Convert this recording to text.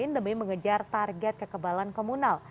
demi mengejar target kekebalan komunal